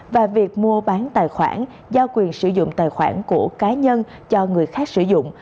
và việc mua bán tài khoản giao quyền sử dụng tài khoản của cá nhân cho người khác sử dụng